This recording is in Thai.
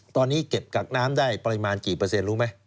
ตอนนี้เก็บกักน้ำได้ปริมาณกี่เปอร์เซ็นรู้ไหม